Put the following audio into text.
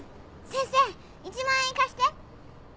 先生１万円貸して！